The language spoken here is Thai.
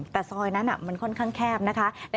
แต่ซอยนั้นมันค่อนข้างแคบนะคะ